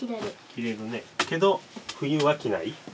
着れるねけど冬は着ない。